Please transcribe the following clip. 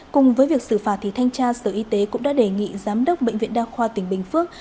cùng với việc xử phạt thanh tra sở y tế cũng đã đề nghị giám đốc bệnh viện đa khoa tỉnh bình phước